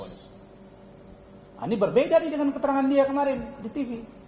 nah ini berbeda nih dengan keterangan dia kemarin di tv